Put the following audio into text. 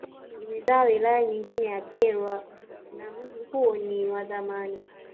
Imezaa wilaya nyingine ya Kyerwa na mji huo ni wa zamani